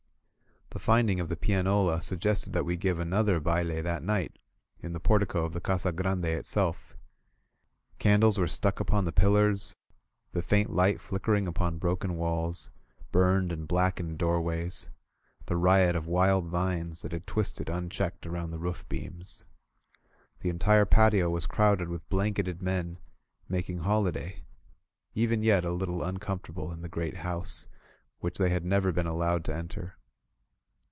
The finding of the pianola suggested that we give another baile that night, in the portico of the Casa Grande itself. Candles were stuck upon the pillars, the faint light flickering upon broken walls, burned and blackened doorways, the riot of wild vines that had twisted imchecked aroimd the roof beams. The en 60 WHITE NIGHTS AT ZAKCA tire patio was crowded with blanketed men, making holiday, even yet a little uncomfortable in the great house which they had never been allowed to enter.